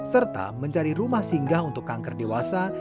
serta mencari rumah singgah untuk kanker dewasa